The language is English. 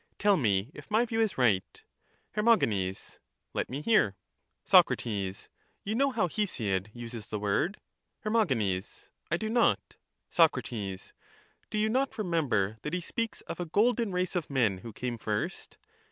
Tell me if my view is right. Her. Let me hear. Soc. You know how Hesiod uses the word? Her. I do not. Soc. Do you not remember that he speaks of a golden race of men who came first